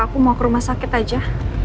aku mau ke rumah sakit aja